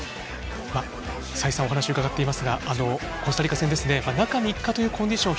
再三お話を伺っていますがコスタリカ戦中３日というコンディション